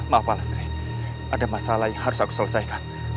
maaf palastri ada masalah yang harus aku selesaikan